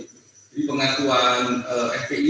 jadi pengakuan fpi